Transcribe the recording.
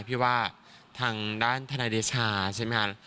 พี่ว่าทางด้านทนายเดชาใช่ไหมคะ